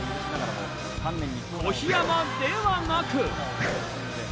小桧山ではなく。